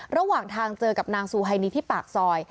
ระหว่างทางเจอกับนางซูไฮนีที่ปากซอย